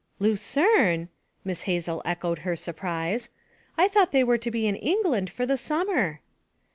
'Lucerne!' Miss Hazel echoed her surprise. 'I thought they were to be in England for the summer?'